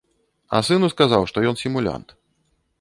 А сыну сказаў, што ён сімулянт.